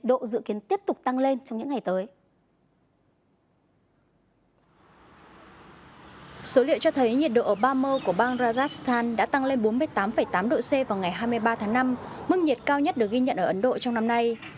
bốn mươi tám tám độ c vào ngày hai mươi ba tháng năm mức nhiệt cao nhất được ghi nhận ở ấn độ trong năm nay